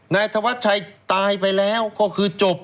นายธวัชชัยตายไปแล้วก็คือจบ